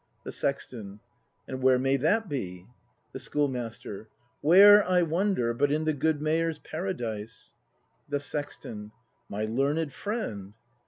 The Sexton. And where may that be? The Schoolmaster. Where, I wonder, But in the good Mayors' Paradise. The Sexton. My learned friend